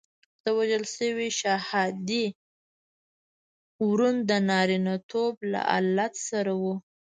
د وژل شوي شهادي ورون د نارینتوب له آلت سره وو.